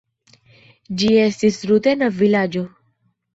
Ĝi estis rutena vilaĝo.